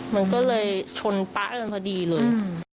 มันก็เลยชนป๊ะกันพอดีเลย